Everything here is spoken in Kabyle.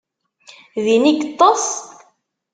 Din i yeṭṭes?